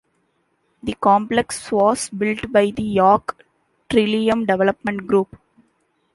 The Complex was built by the York Trillium Development Group.